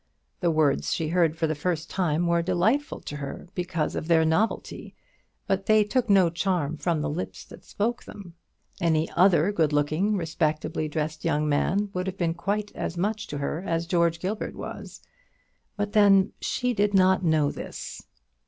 The words she heard for the first time were delightful to her because of their novelty, but they took no charm from the lips that spoke them. Any other good looking, respectably dressed young man would have been quite as much to her as George Gilbert was. But then she did not know this.